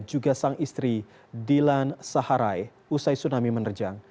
juga sang istri dilan saharai usai tsunami menerjang